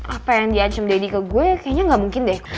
apa yang diajem daddy ke gue kayaknya gak mungkin deh